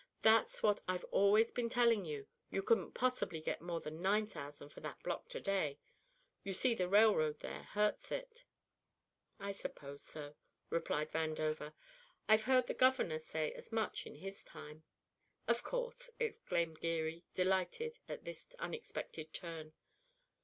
That's what I've always been telling you. You couldn't possibly get more than nine thousand for that block to day. You see the railroad there hurts it." "I suppose so," replied Vandover. "I've heard the governor say as much in his time." "Of course," exclaimed Geary, delighted at this unexpected turn.